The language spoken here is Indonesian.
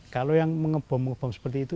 kalau yang mengebom ngebom seperti itu